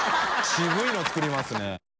渋いの作りますね。